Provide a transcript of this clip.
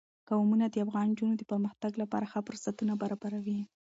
قومونه د افغان نجونو د پرمختګ لپاره ښه فرصتونه برابروي.